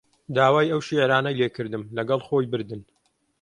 داوای ئەو شیعرانەی لێ کردم، لەگەڵ خۆی بردن